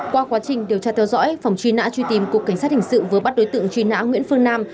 qua quá trình điều tra theo dõi phòng truy nã truy tìm cục cảnh sát hình sự vừa bắt đối tượng truy nã nguyễn phương nam